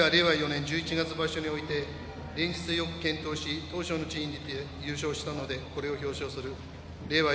４年十一月場所において連日よく健闘し頭書の地位にて優勝したのでこれを表彰する令和